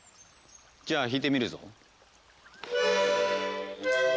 じゃあ弾いてみるぞ。